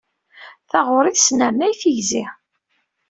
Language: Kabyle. Taɣuṛi tesnernay tigzi.